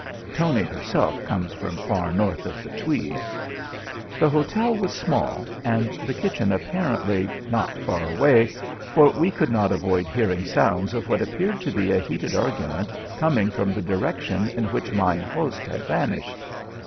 Tony herself comes from far north of the Tweed. The hotel was small, and the kitchen, apparently, not far away, for we could not avoid hearing sounds of what appeared to be a heated argument coming from the direction in which mine host had vanished.